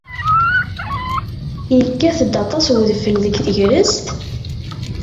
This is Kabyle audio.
Yekkat-d aṭas wedfel deg tegrest?